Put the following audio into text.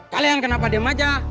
kalian kenapa dem aja